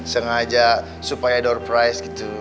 sengaja supaya door price gitu